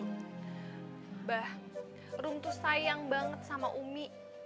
mbah rum tuh sayang banget sama umi